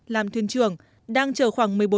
làm thuyền trưởng đang chở khoảng